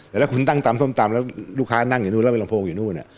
แต่ถ้าคุณนั่งตำส้มตำแล้วลูกค้านั่งอยู่นู้นแล้วเป็นลำโพงอยู่นู่น